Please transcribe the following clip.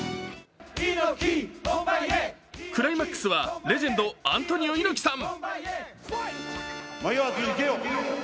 クライマックスはレジェンド・アントニオ猪木さん。